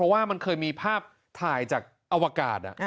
ว่ามันเคยมีภาพถ่ายจากอวกาศ